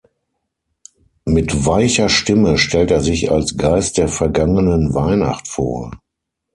Mit weicher Stimme stellt er sich als „Geist der vergangenen Weihnacht“ vor.